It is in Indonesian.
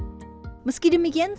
meski demikian saya masih mencoba